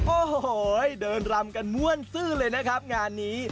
โอ้โหเดินรำกันม่วนซื่อเลยนะครับงานนี้